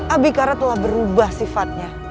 abikara telah berubah sifatnya